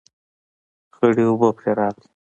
خړې اوبه پرې راغلې